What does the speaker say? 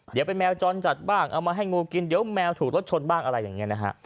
เดี๋ยวเป็นแมวจรจัดบ้างเอามาให้งูกินเดี๋ยวแมวถูกรถชนบ้างอะไรอย่างนี้นะฮะ